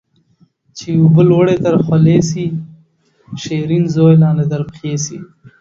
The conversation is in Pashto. چي اوبه لوړي تر خولې سي ، شيرين زوى لاندي تر پښي سي